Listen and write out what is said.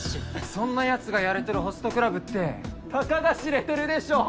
そんなヤツがやれてるホストクラブってたかが知れてるでしょ